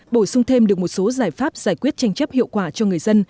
bổ sung thêm được một số giải pháp giải quyết tranh chấp hiệu quả cho người dân